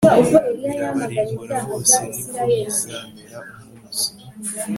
birabarimbura bose Ni ko bizamera umunsi